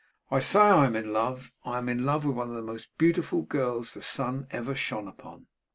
'I say I am in love. I am in love with one of the most beautiful girls the sun ever shone upon.